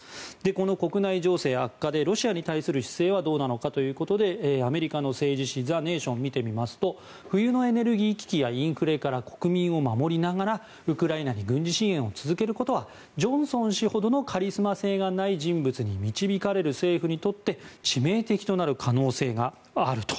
この国内情勢悪化でロシアに対する姿勢はどうなのかということでアメリカの政治誌「ザ・ネーション」を見てみますと冬のエネルギー危機やインフレから国民を守りながらウクライナに軍事支援を続けることはジョンソン氏ほどのカリスマ性がない人物に導かれる政府にとって致命的となる可能性があると。